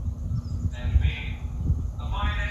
څه شي د کار په ځای کي د ښې پایلي سبب کېږي؟